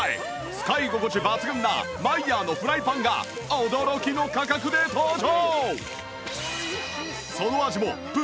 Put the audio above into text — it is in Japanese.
使い心地抜群なマイヤーのフライパンが驚きの価格で登場！